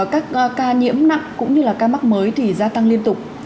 các ca nhiễm nặng cũng như là ca mắc mới thì gia tăng liên tục